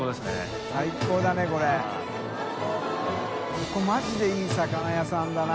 海マジでいい魚屋さんだな。